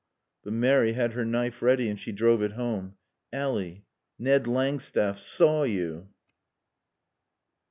But Mary had her knife ready and she drove it home. "Ally Ned Langstaff saw you."